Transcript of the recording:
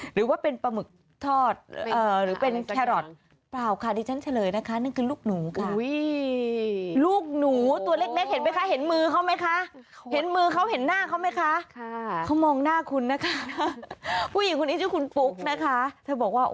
หรือว่าเป็นปลาหมึกทอดหรือเป็นแครอต